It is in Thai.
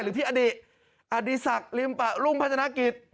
หรือพี่อดิอดิษักริมปะรุงพัฒนากิจ